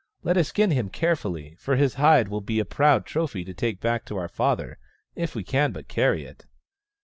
Let us skin him carefully, for his hide will be a proud trophy to take back to our father — if we can but carry it."